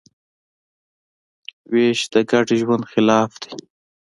وېش د ګډ ژوند خلاف دی.